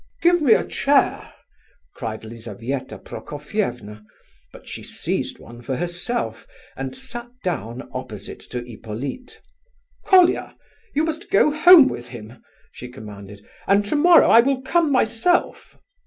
"Give me a chair!" cried Lizabetha Prokofievna, but she seized one for herself and sat down opposite to Hippolyte. "Colia, you must go home with him," she commanded, "and tomorrow I will come my self."